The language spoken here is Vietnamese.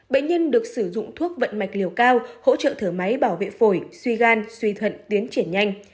bệnh nhân được sử dụng thuốc vận mạch liều cao hỗ trợ thở máy bảo vệ phổi suy gan suy thận tiến triển nhanh